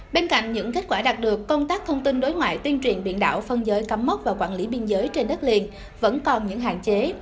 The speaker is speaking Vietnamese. bên cạnh những kết quả đạt được công tác thông tin đối ngoại tuyên truyền biển đảo phân giới cắm mốc và quản lý biên giới trên đất liền vẫn còn những hạn chế